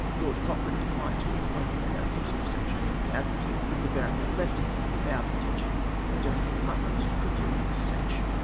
Lord Cochrane declined to employ him without some sort of sanction from the Admiralty, and De Berenger left him with the avowed intention of doing his utmost to procure this sanction.